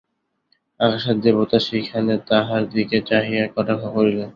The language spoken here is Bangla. আকাশের দেবতা সেইখানে তাহার দিকে চাহিয়া কটাক্ষ করিলেন।